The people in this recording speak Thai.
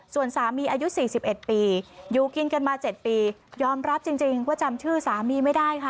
ส่วนสามีอายุ๔๑ปีอยู่กินกันมา๗ปียอมรับจริงว่าจำชื่อสามีไม่ได้ค่ะ